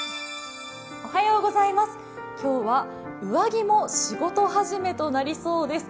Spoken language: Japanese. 今日は上着も仕事始めとなりそうです。